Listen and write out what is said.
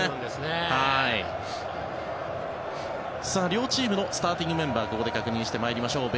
両チームのスターティングメンバーをここで確認してまいりましょう。